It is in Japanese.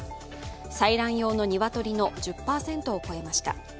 採卵用の鶏の１０％を超えました。